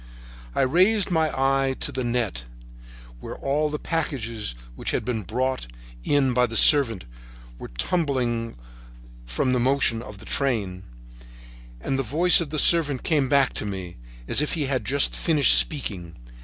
I raised my eye to the net, where all the packages which had been brought in by the servant were trembling from the motion of the train, and the voice of the servant came back to me, as if he had just finished speaking.